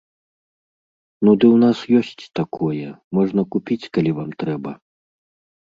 Ну ды ў нас ёсць такое, можна купіць, калі вам трэба.